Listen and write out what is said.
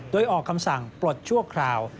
โดยออกคำสั่งปลดชั่วคราว